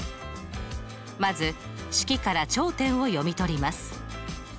まず式から頂点を読み取ります。